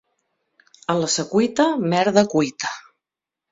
A la Secuita, merda cuita.